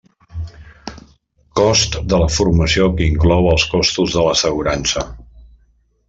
Cost de la formació que inclou els costos de l'assegurança.